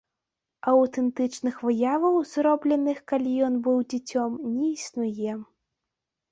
Аўтэнтычных выяваў, зробленых, калі ён быў дзіцём, не існуе.